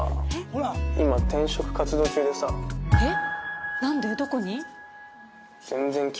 えっ？